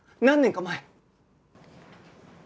何年か前。